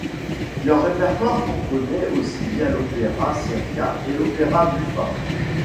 Leur répertoire comprenait aussi bien l’opera seria que l’opera buffa.